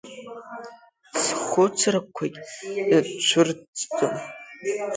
Схәыцрақәагь цәырҵӡом…